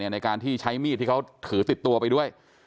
ในการที่ใช้มีดที่เขาถือติดตัวไปด้วย